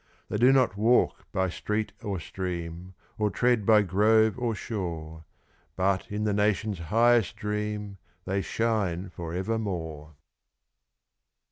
They do not walk by street or stream, Or tread by grove or shore, But, in the nation's highest dream, They shine for evermore.